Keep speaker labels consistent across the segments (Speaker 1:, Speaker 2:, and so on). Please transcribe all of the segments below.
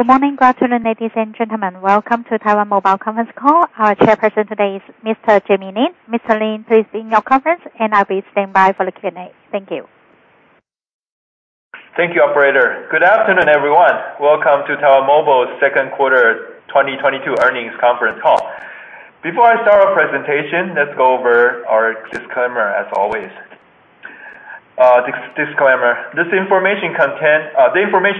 Speaker 1: Good morning. Good afternoon, ladies and gentlemen. Welcome to Taiwan Mobile Conference Call. Our chairperson today is Mr. Jamie Lin. Mr. Lin, please begin your conference, and I'll be standing by for the Q&A. Thank you.
Speaker 2: Thank you, operator. Good afternoon, everyone. Welcome to Taiwan Mobile Second Quarter 2022 Earnings Conference Call. Before I start our presentation, let's go over our disclaimer, as always. The information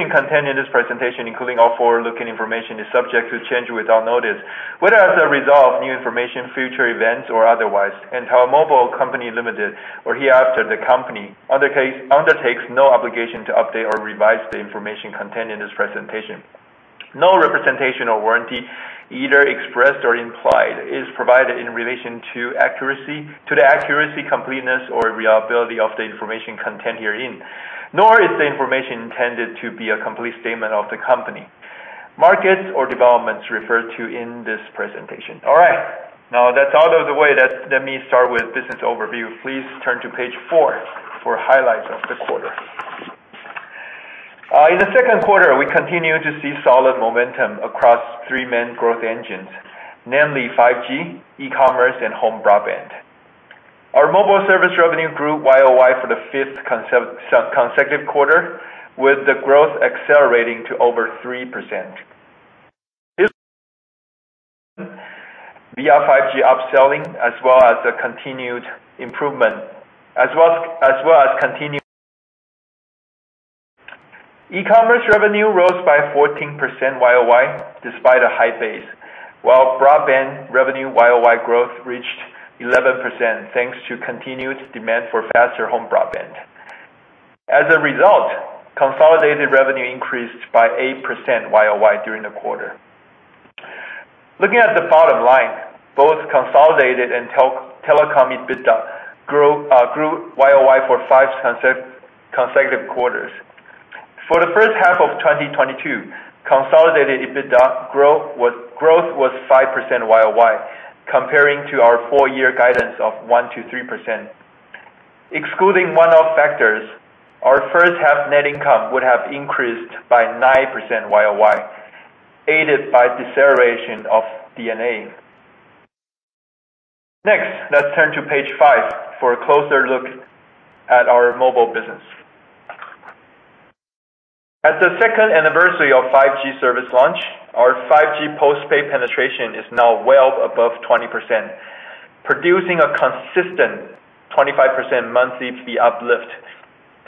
Speaker 2: contained in this presentation, including all forward-looking information, is subject to change without notice, whether as a result of new information, future events, or otherwise, and Taiwan Mobile Company Limited, or hereafter the Company, undertakes no obligation to update or revise the information contained in this presentation. No representation or warranty, either expressed or implied, is provided in relation to the accuracy, completeness or reliability of the information contained herein, nor is the information intended to be a complete statement of the company, markets or developments referred to in this presentation. All right. Now, that's out of the way. Let me start with business overview. Please turn to page four for highlights of the quarter. In the second quarter, we continue to see solid momentum across three main growth engines, namely 5G, e-commerce, and home broadband. Our mobile service revenue grew year-over-year for the fifth consecutive quarter, with the growth accelerating to over 3%. This via 5G upselling, as well as the continued improvement. E-commerce revenue rose by 14% year-over-year despite a high base, while broadband revenue year-over-year growth reached 11%, thanks to continued demand for faster home broadband. As a result, consolidated revenue increased by 8% year-over-year during the quarter. Looking at the bottom line, both consolidated and telecom EBITDA grew year-over-year for five consecutive quarters. For the first half of 2022, consolidated EBITDA growth was 5% YoY, comparing to our full year guidance of 1%-3%. Excluding one-off factors, our first half net income would have increased by 9% YoY, aided by deceleration of D&A. Next, let's turn to page five for a closer look at our mobile business. At the second anniversary of 5G service launch, our 5G postpaid penetration is now well above 20%, producing a consistent 25% monthly fee uplift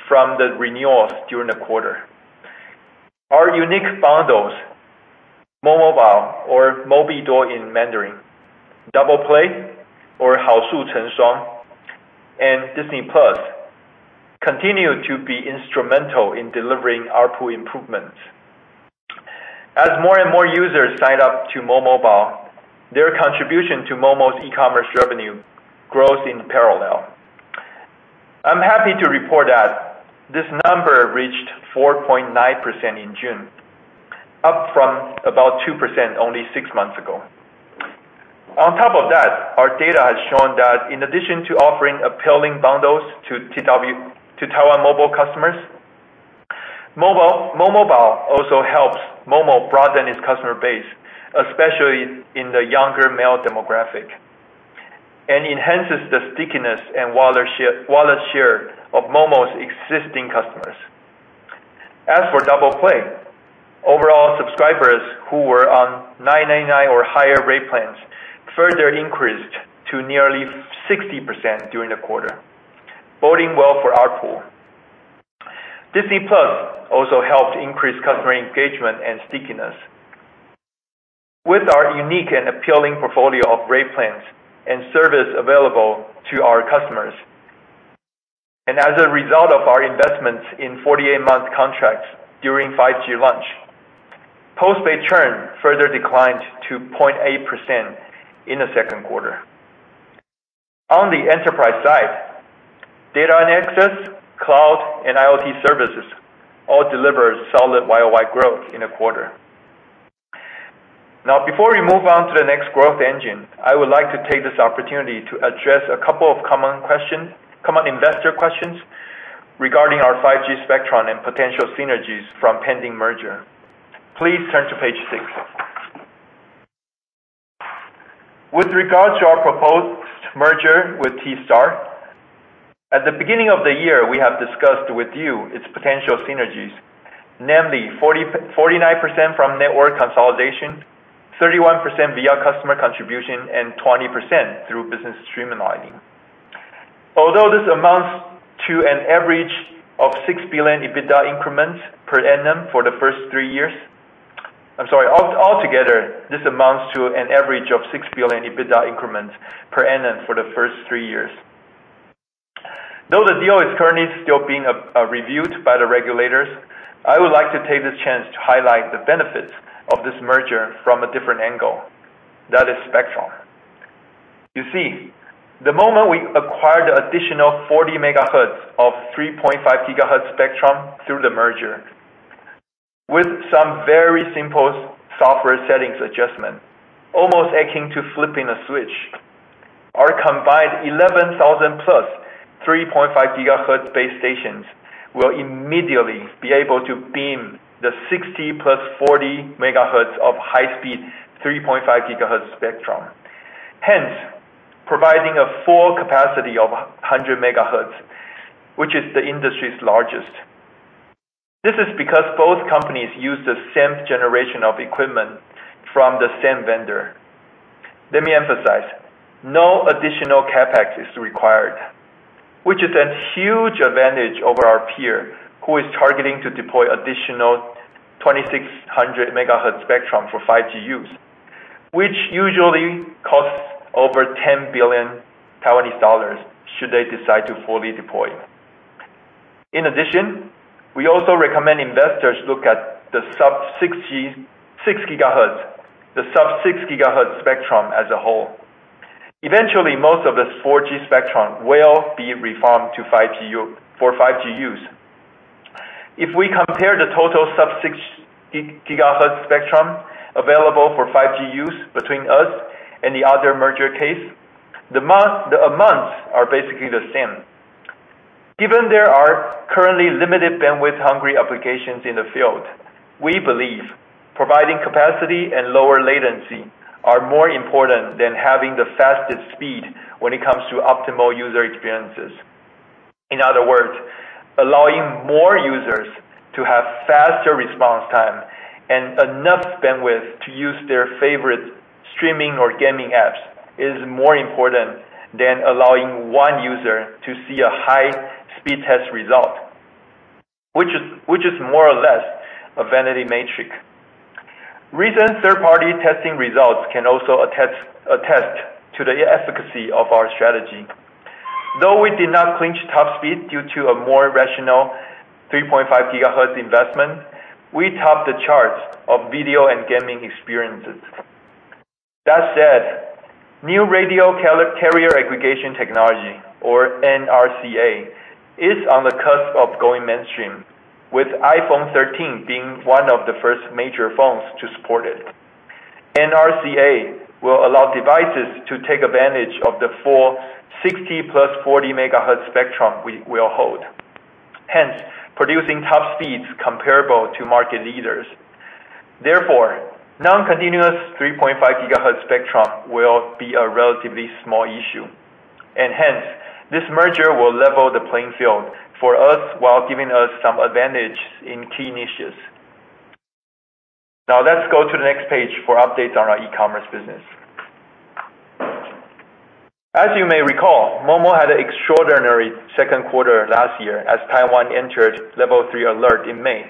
Speaker 2: from the renewals during the quarter. Our unique bundles, momobile or MobiDuo in Mandarin, Double Play or Hao Shu Cheng Shuang, and Disney+ continue to be instrumental in delivering ARPU improvements. As more and more users sign up to momobile, their contribution to Momo's e-commerce revenue grows in parallel. I'm happy to report that this number reached 4.9% in June, up from about 2% only six months ago. On top of that, our data has shown that in addition to offering appealing bundles to Taiwan Mobile customers, momobile also helps Momo broaden its customer base, especially in the younger male demographic, and enhances the stickiness and wallet share of Momo's existing customers. As for Double Play, overall subscribers who were on 999 or higher rate plans further increased to nearly 60% during the quarter, boding well for ARPU. Disney+ also helped increase customer engagement and stickiness. With our unique and appealing portfolio of rate plans and service available to our customers, and as a result of our investments in 48-month contracts during 5G launch, postpaid churn further declined to 0.8% in the second quarter. On the enterprise side, data and access, cloud and IoT services all delivered solid year-over-year growth in the quarter. Now, before we move on to the next growth engine, I would like to take this opportunity to address a couple of common questions, common investor questions regarding our 5G spectrum and potential synergies from pending merger. Please turn to page six. With regards to our proposed merger with T Star, at the beginning of the year, we have discussed with you its potential synergies, namely 49% from network consolidation, 31% via customer contribution, and 20% through business streamlining. Altogether, this amounts to an average of 6 billion EBITDA increments per annum for the first three years. Though the deal is currently still being reviewed by the regulators, I would like to take this chance to highlight the benefits of this merger from a different angle, that is spectrum. You see, the moment we acquire the additional 40 MHz of 3.5 GHz spectrum through the merger, with some very simple software settings adjustment, almost akin to flipping a switch. Our combined 11,000+ 3.5 GHz base stations will immediately be able to beam the 60 + 40 MHz of high-speed 3.5 GHz spectrum, hence providing a full capacity of 100 MHz, which is the industry's largest. This is because both companies use the same generation of equipment from the same vendor. Let me emphasize, no additional CapEx is required, which is a huge advantage over our peer who is targeting to deploy additional 2600 MHz spectrum for 5G use, which usually costs over 10 billion dollars should they decide to fully deploy. In addition, we also recommend investors look at the sub-6 GHz spectrum as a whole. Eventually, most of this 4G spectrum will be refarmed for 5G use. If we compare the total sub-6 GHz spectrum available for 5G use between us and the other merger case, the amounts are basically the same. Even though there are currently limited bandwidth hungry applications in the field, we believe providing capacity and lower latency are more important than having the fastest speed when it comes to optimal user experiences. In other words, allowing more users to have faster response time and enough bandwidth to use their favorite streaming or gaming apps is more important than allowing one user to see a high speed test result, which is more or less a vanity metric. Recent third-party testing results can also attest to the efficacy of our strategy. Though we did not clinch top speed due to a more rational 3.5 GHz investment, we topped the charts of video and gaming experiences. That said, new radio carrier aggregation technology or NRCA is on the cusp of going mainstream, with iPhone 13 being one of the first major phones to support it. NRCA will allow devices to take advantage of the full 60 + 40 MHz spectrum we all hold, hence producing top speeds comparable to market leaders. Therefore, non-continuous 3.5 GHz spectrum will be a relatively small issue. This merger will level the playing field for us while giving us some advantage in key niches. Now let's go to the next page for updates on our e-commerce business. As you may recall, Momo had an extraordinary second quarter last year as Taiwan entered level three alert in May.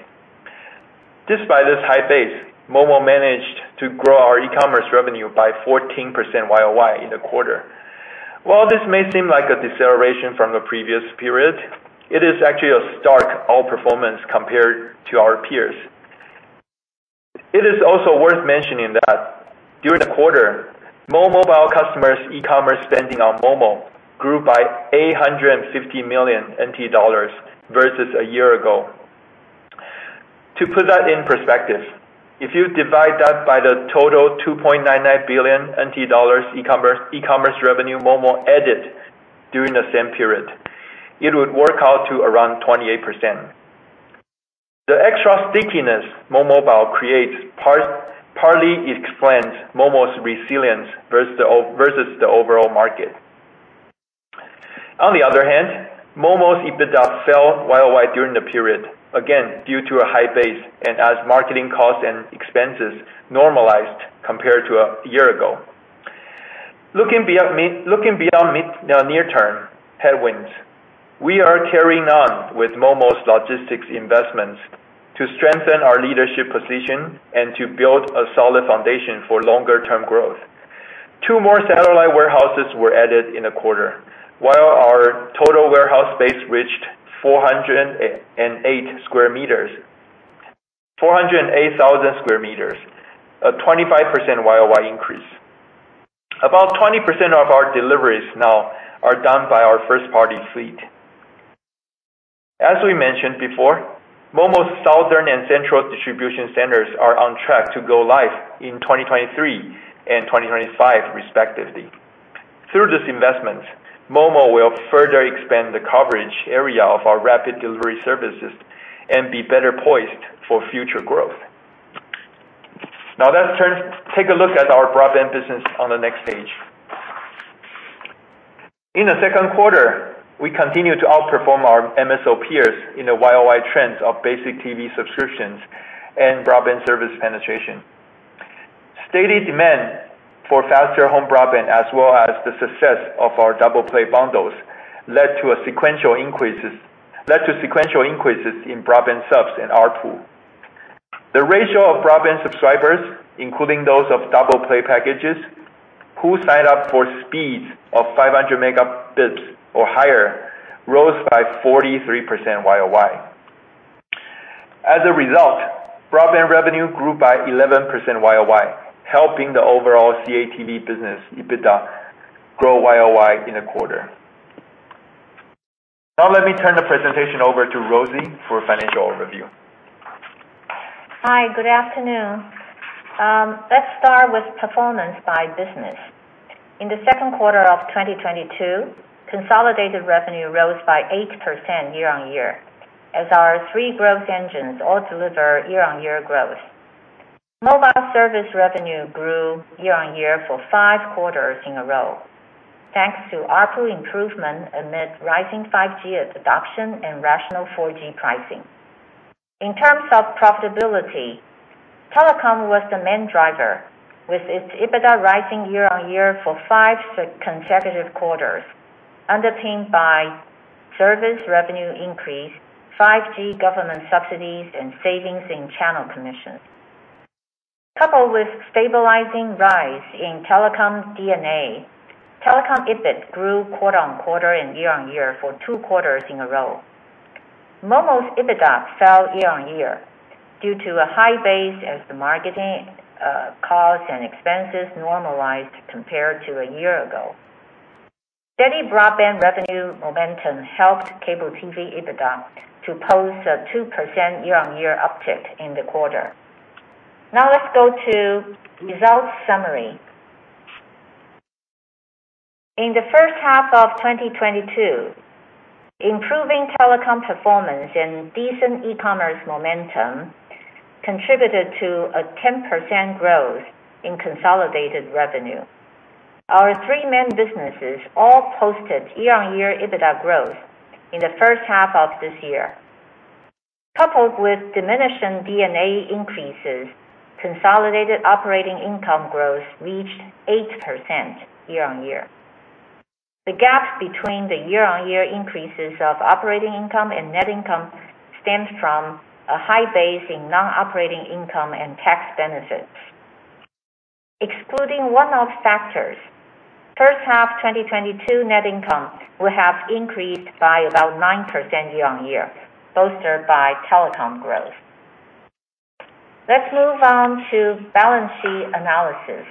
Speaker 2: Despite this high base, Momo managed to grow our e-commerce revenue by 14% YoY in the quarter. While this may seem like a deceleration from the previous period, it is actually a stark outperformance compared to our peers. It is also worth mentioning that during the quarter, momobile customers e-commerce spending on Momo grew by 850 million NT dollars versus a year ago. To put that in perspective, if you divide that by the total 2.99 billion NT dollars e-commerce revenue Momo added during the same period, it would work out to around 28%. The extra stickiness momobile creates partly explains Momo's resilience versus the overall market. On the other hand, Momo's EBITDA fell YoY during the period, again, due to a high base and as marketing costs and expenses normalized compared to a year ago. Looking beyond the near term headwinds, we are carrying on with Momo's logistics investments to strengthen our leadership position and to build a solid foundation for longer term growth. Two more satellite warehouses were added in the quarter, while our total warehouse space reached 408,000 square meters, a 25% YoY increase. About 20% of our deliveries now are done by our first party fleet. As we mentioned before, Momo's southern and central distribution centers are on track to go live in 2023 and 2025 respectively. Through this investment, Momo will further expand the coverage area of our rapid delivery services and be better poised for future growth. Now let's take a look at our broadband business on the next page. In the second quarter, we continued to outperform our MSO peers in the YoY trends of basic TV subscriptions and broadband service penetration. Steady demand for faster home broadband, as well as the success of our Double Play bundles, led to sequential increases in broadband subs and RPO. The ratio of broadband subscribers, including those of Double Play packages, who signed up for speeds of 500 Mbps or higher, rose by 43% YoY. As a result, broadband revenue grew by 11% YoY, helping the overall CATV business EBITDA grow YoY in the quarter. Now let me turn the presentation over to Rosie for a financial overview.
Speaker 3: Hi. Good afternoon. Let's start with performance by business. In the second quarter of 2022, consolidated revenue rose by 8% year-on-year, as our three growth engines all deliver year-on-year growth. Mobile service revenue grew year-on-year for five quarters in a row, thanks to ARPU improvement amid rising 5G adoption and rational 4G pricing. In terms of profitability, telecom was the main driver, with its EBITDA rising year-on-year for five consecutive quarters, underpinned by service revenue increase, 5G government subsidies, and savings in channel commissions. Coupled with stabilizing rise in telecom D&A, telecom EBIT grew quarter-on-quarter and year-on-year for two quarters in a row. Momo's EBITDA fell year-on-year due to a high base as the marketing costs and expenses normalized compared to a year ago. Steady broadband revenue momentum helped cable TV EBITDA to post a 2% year-on-year uptick in the quarter. Now let's go to results summary. In the first half of 2022, improving telecom performance and decent e-commerce momentum contributed to a 10% growth in consolidated revenue. Our three main businesses all posted year-on-year EBITDA growth in the first half of this year. Coupled with diminishing D&A increases, consolidated operating income growth reached 8% year-on-year. The gap between the year-on-year increases of operating income and net income stemmed from a high base in non-operating income and tax benefits. Excluding one-off factors, first half 2022 net income would have increased by about 9% year-on-year, bolstered by telecom growth. Let's move on to balance sheet analysis.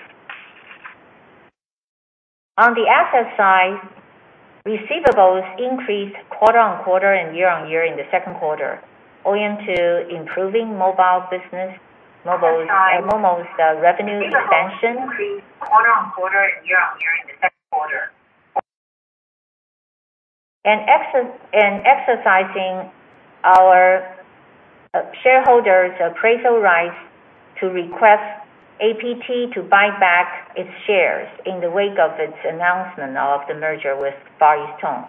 Speaker 3: On the asset side, receivables increased quarter-on-quarter and year-on-year in the second quarter owing to improving mobile business, Momo's revenue expansion and exercising our shareholders' appraisal rights to request APT to buy back its shares in the wake of its announcement of the merger with Far EasTone.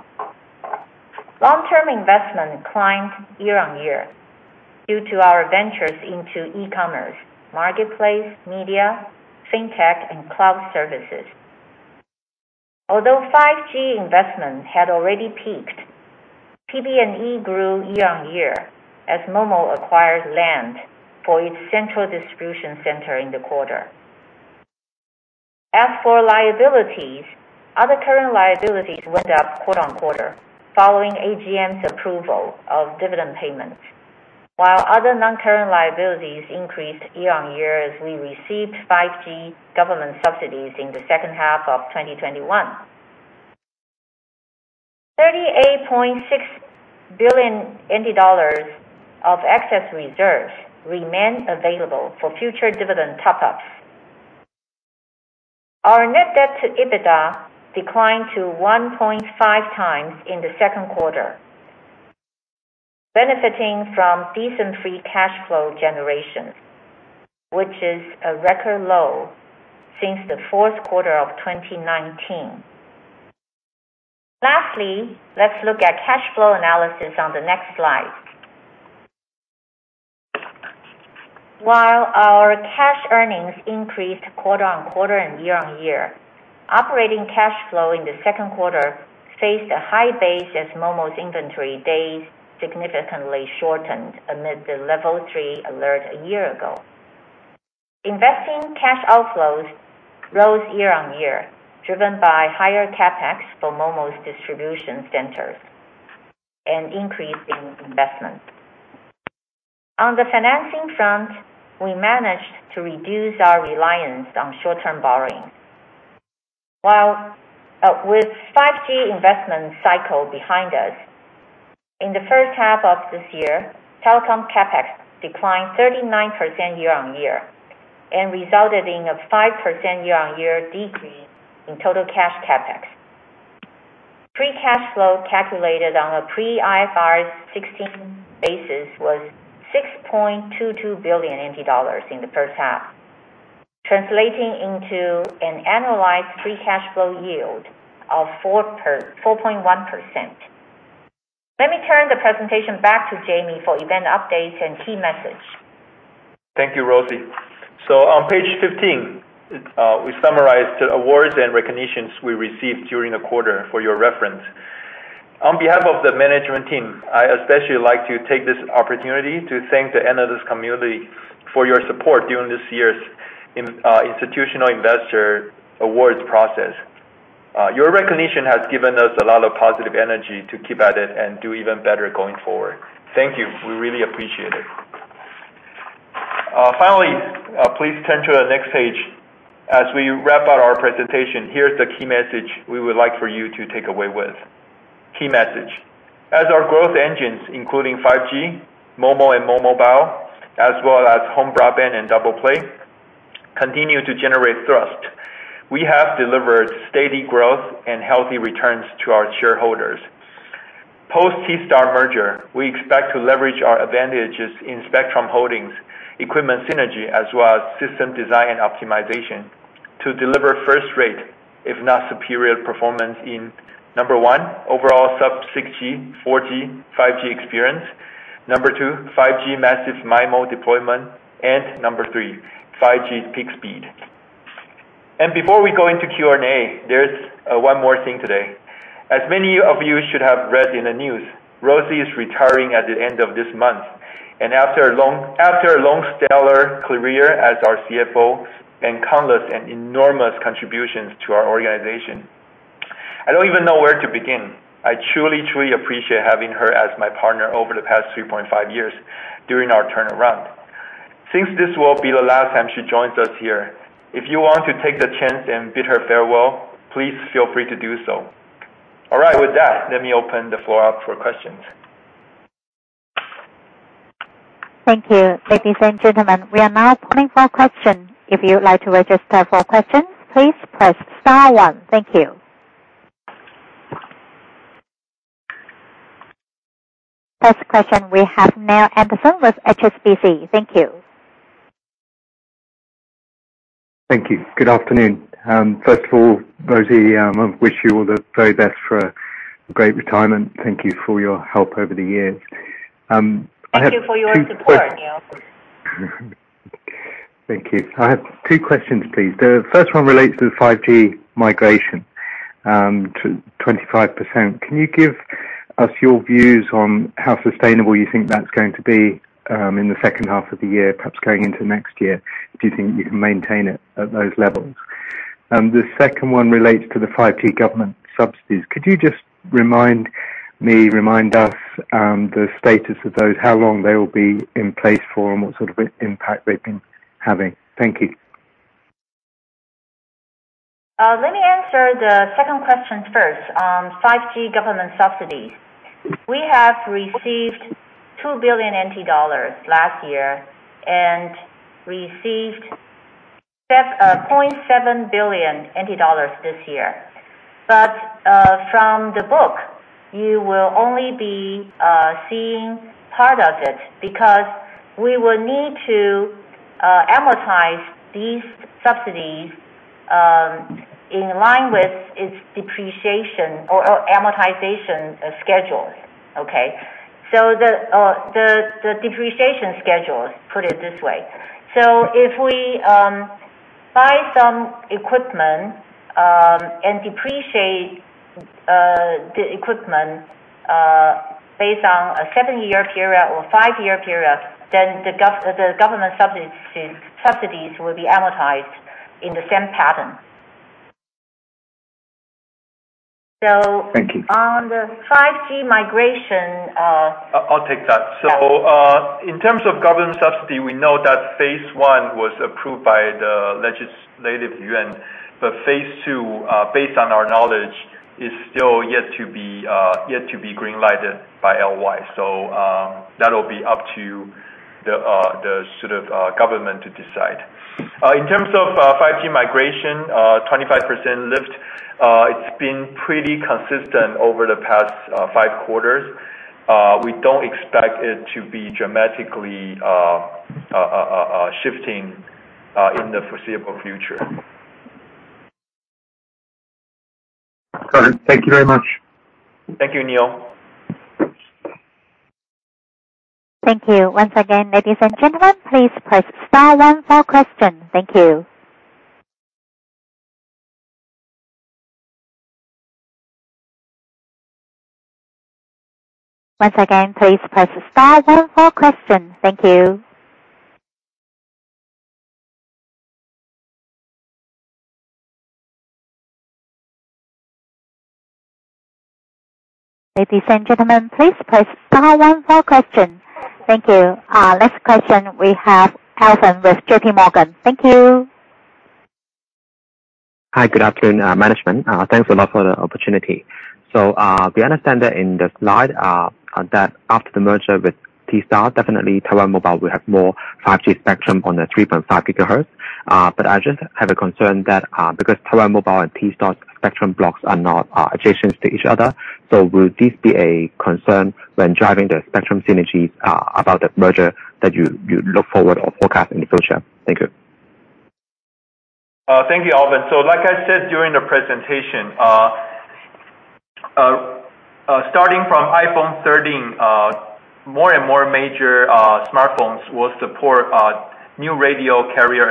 Speaker 3: Long-term investment climbed year-on-year due to our ventures into e-commerce, marketplace, media, fintech, and cloud services. Although 5G investment had already peaked, PP&E grew year-on-year as Momo acquired land for its central distribution center in the quarter. As for liabilities, other current liabilities went up quarter-on-quarter following AGM's approval of dividend payments. While other non-current liabilities increased year-on-year as we received 5G government subsidies in the second half of 2021. 38.6 billion dollars of excess reserves remain available for future dividend top-ups. Our net debt to EBITDA declined to 1.5x in the second quarter, benefiting from decent free cash flow generation, which is a record low since the fourth quarter of 2019. Lastly, let's look at cash flow analysis on the next slide. While our cash earnings increased quarter-on-quarter and year-on-year, operating cash flow in the second quarter faced a high base as Momo's inventory days significantly shortened amid the level three alert a year ago. Investing cash outflows rose year-on-year, driven by higher CapEx for Momo's distribution centers and increase in investment. On the financing front, we managed to reduce our reliance on short-term borrowing. With 5G investment cycle behind us, in the first half of this year, telecom CapEx declined 39% year-on-year and resulted in a 5% year-on-year decrease in total cash CapEx. Free cash flow calculated on a pre IFRS 16 basis was 6.22 billion NT dollars in the first half, translating into an annualized free cash flow yield of 4.1%. Let me turn the presentation back to Jamie for event updates and key message.
Speaker 2: Thank you, Rosie. On page 15, we summarized awards and recognitions we received during the quarter for your reference. On behalf of the management team, I especially like to take this opportunity to thank the analyst community for your support during this year's institutional investor awards process. Your recognition has given us a lot of positive energy to keep at it and do even better going forward. Thank you. We really appreciate it. Finally, please turn to the next page. As we wrap up our presentation, here's the key message we would like for you to take away with. Key message. As our growth engines including 5G, Momo and momobile, as well as home broadband and Double Play continue to generate thrust, we have delivered steady growth and healthy returns to our shareholders. Post T Star merger, we expect to leverage our advantages in spectrum holdings, equipment synergy, as well as system design and optimization to deliver first-rate, if not superior, performance in number one, overall sub-6G, 4G, 5G experience. Number two, 5G massive MIMO deployment. Number three, 5G peak speed. Before we go into Q&A, there's one more thing today. As many of you should have read in the news, Rosie is retiring at the end of this month. After a long stellar career as our CFO and countless and enormous contributions to our organization, I don't even know where to begin. I truly appreciate having her as my partner over the past 3.5 years during our turnaround. Since this will be the last time she joins us here, if you want to take the chance and bid her farewell, please feel free to do so. All right. With that, let me open the floor up for questions.
Speaker 1: Thank you. Ladies and gentlemen, we are now opening for questions. If you would like to register for questions, please press star one. Thank you. First question we have Neale Anderson with HSBC. Thank you.
Speaker 4: Thank you. Good afternoon. First of all, Rosie, wish you all the very best for a great retirement. Thank you for your help over the years. I have two que-
Speaker 3: Thank you for your support, Neale.
Speaker 4: Thank you. I have two questions, please. The first one relates to the 5G migration to 25%. Can you give us your views on how sustainable you think that's going to be in the second half of the year, perhaps going into next year? Do you think you can maintain it at those levels? The second one relates to the 5G government subsidies. Could you just remind us the status of those? How long they will be in place for, and what sort of impact they've been having? Thank you.
Speaker 3: Let me answer the second question first on 5G government subsidies. We have received 2 billion NT dollars last year and received 0.7 billion NT dollars this year. From the book, you will only be seeing part of it because we will need to amortize these subsidies in line with its depreciation or amortization schedules. Okay? The depreciation schedules, put it this way. If we buy some equipment and depreciate the equipment based on a seven-year period or five-year period, then the government subsidies will be amortized in the same pattern.
Speaker 4: Thank you.
Speaker 3: On the 5G migration.
Speaker 2: I'll take that. In terms of government subsidy, we know that phase one was approved by the Legislative Yuan, but phase two, based on our knowledge, is still yet to be green-lighted by LY. That'll be up to the sort of government to decide. In terms of 5G migration, 25% lift, it's been pretty consistent over the past five quarters. We don't expect it to be dramatically shifting in the foreseeable future.
Speaker 4: Got it. Thank you very much.
Speaker 2: Thank you, Neale.
Speaker 1: Thank you. Once again, ladies and gentlemen, please press star one for questions. Thank you. Once again, please press star one for questions. Thank you. Ladies and gentlemen, please press star one for questions. Thank you. Next question we have Alvin with J.P. Morgan. Thank you.
Speaker 5: Hi. Good afternoon, management. Thanks a lot for the opportunity. We understand that in the slide, that after the merger with T Star, definitely Taiwan Mobile will have more 5G spectrum on the 3.5 GHz. But I just have a concern that, because Taiwan Mobile and T Star spectrum blocks are not adjacent to each other, so will this be a concern when driving the spectrum synergy about the merger that you look forward or forecast in the future? Thank you.
Speaker 2: Thank you, Alvin. Like I said during the presentation, starting from iPhone 13, more and more major smartphones will support new radio carrier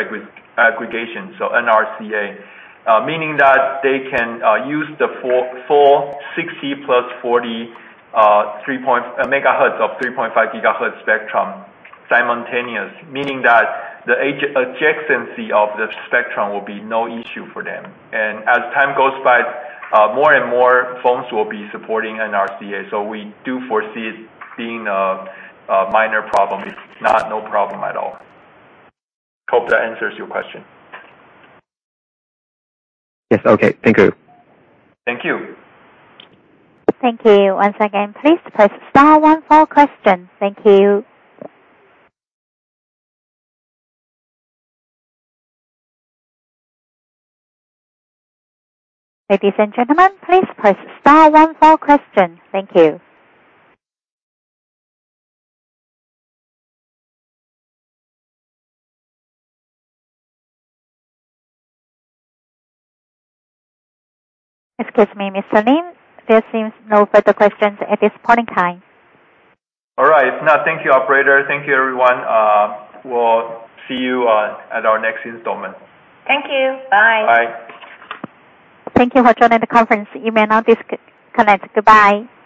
Speaker 2: aggregation, so NRCA, meaning that they can use the 60 + 40 MHz of 3.5 GHz spectrum simultaneous, meaning that the adjacency of the spectrum will be no issue for them. As time goes by, more and more phones will be supporting NRCA. We do foresee it being a minor problem. It's not no problem at all. Hope that answers your question.
Speaker 5: Yes. Okay, thank you.
Speaker 2: Thank you.
Speaker 1: Thank you. Once again, please press star one for questions. Thank you. Ladies and gentlemen, please press star one for questions. Thank you. Excuse me, Mr. Lin, there seems no further questions at this point in time.
Speaker 2: All right. If not, thank you, operator. Thank you, everyone. We'll see you at our next installment.
Speaker 3: Thank you. Bye.
Speaker 2: Bye.
Speaker 1: Thank you for joining the conference. You may now disconnect. Goodbye.